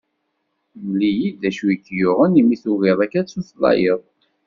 Mel-iyi-d d acu i k-yuɣen mi tugiḍ akka ad d-tutlayeḍ.